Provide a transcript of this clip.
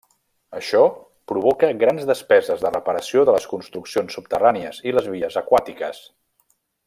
Això provoca grans despeses de reparació de les construccions subterrànies i les vies aquàtiques.